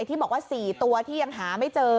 ที่บอกว่า๔ตัวที่ยังหาไม่เจอ